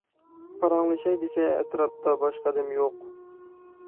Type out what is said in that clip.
پاراڭلىشاي دېسە ئەتراپتا باشقا ئادەم يوق.